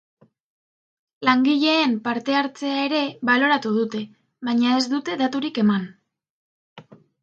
Langileen parte-hartzea ere baloratu dute, baina ez dute daturik eman.